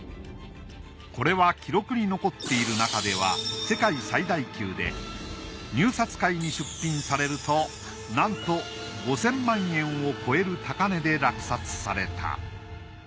これは記録に残っているなかでは世界最大級で入札会に出品されるとなんと５，０００万円を超える高値で落札された。